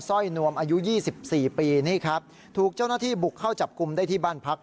ร้อยนวมอายุยี่สิบสี่ปีนี่ครับถูกเจ้าหน้าที่บุกเข้าจับกลุ่มได้ที่บ้านพัก